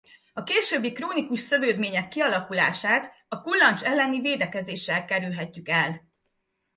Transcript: A későbbi krónikus szövődmények kialakulását a kullancs elleni védekezéssel kerülhetjük el.